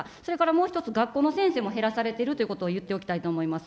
それからもう１つ、学校の先生も減らされているということを言っておきたいと思います。